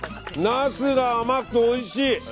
ナスが甘くておいしい！